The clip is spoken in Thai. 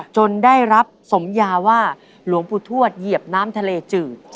ได้รับสมยาว่าหลวงปู่ทวดเหยียบน้ำทะเลจืด